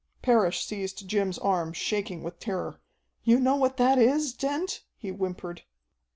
Parrish seized Jim's arm, shaking with terror. "You know what that is, Dent?" he whimpered.